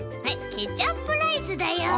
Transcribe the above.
ケチャップライスだよ。